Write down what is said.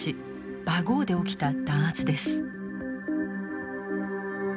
バゴーで起きた弾圧です。